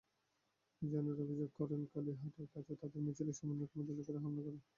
মিজানুর অভিযোগ করেন, কালিহাটের কাছে তাঁদের মিছিলে সমন্বয় কমিটির লোকেরা হামলা করে।